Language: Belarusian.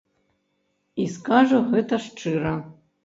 І скажа гэта шчыра.